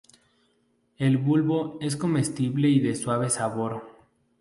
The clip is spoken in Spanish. El bulbo es comestible y de suave sabor.